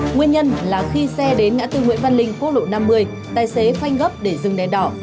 nguyên nhân là khi xe đến ngã tư nguyễn văn linh quốc lộ năm mươi tài xế phanh gấp để dừng đèn đỏ